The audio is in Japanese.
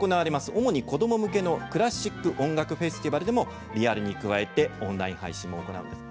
主に子ども向けのクラシック音楽フェスティバルでもリアルに加えてオンライン配信を行うんです。